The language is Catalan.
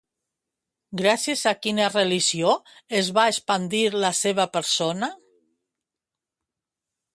Gràcies a quina religió es va expandir la seva persona?